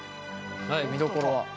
はい見どころは？